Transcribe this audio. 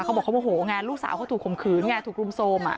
เขาบอกเขาโมโหไงลูกสาวเขาถูกข่มขืนไงถูกรุมโทรม